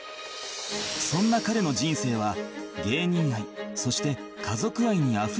そんな彼の人生は芸人愛そして家族愛にあふれたものだった